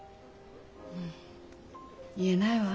うん言えないわ。